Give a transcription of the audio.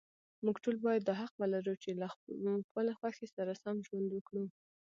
موږ ټول باید دا حق ولرو، چې له خپلې خوښې سره سم ژوند وکړو.